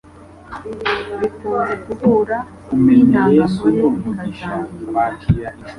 bikunze guhura n'intangangore bikazangiriza